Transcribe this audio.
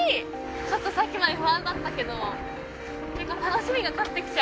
ちょっとさっきまで不安だったけど結構楽しみが勝ってきちゃう。